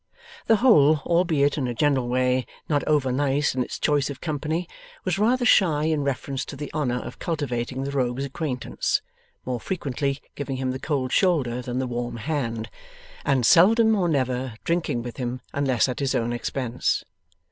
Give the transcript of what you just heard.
The Hole, albeit in a general way not over nice in its choice of company, was rather shy in reference to the honour of cultivating the Rogue's acquaintance; more frequently giving him the cold shoulder than the warm hand, and seldom or never drinking with him unless at his own expense.